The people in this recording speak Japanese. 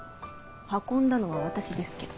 運んだのは私ですけど。